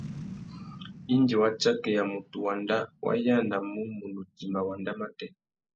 Indi wa tsakeya mutu wanda, wa yānamú munú timba wanda matê.